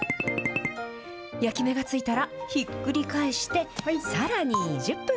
焼き目がついたら、ひっくり返して、さらに１０分。